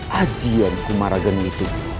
hajian kumaragen itu